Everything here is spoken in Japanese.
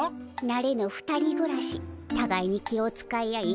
なれぬ２人ぐらしたがいに気を遣い合い